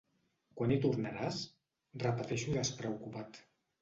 Quan hi tornaràs? –repeteixo despreocupat–.